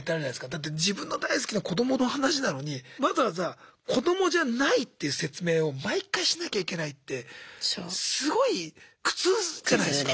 だって自分の大好きな子どもの話なのにわざわざ子どもじゃないっていう説明を毎回しなきゃいけないってすごい苦痛じゃないすか。